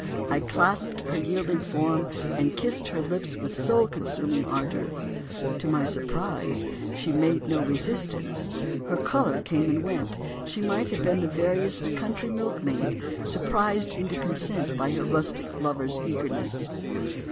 I clasped her yielding form, and kissed her lips with soul consuming ardour. To my surprise, she made no resistance, her colour came and went, she might have been the veriest country milkmaid, surprised into consent by her rustic lover's eagerness.